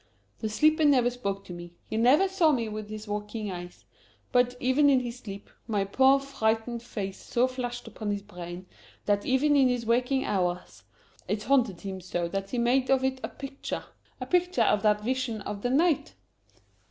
The sleeper never spoke to me; he never saw me with his waking eyes. But, even in his sleep, my poor, frightened face so flashed upon his brain that, even in his waking hours, it haunted him so that he made of it a picture a picture of that Vision of the Night!"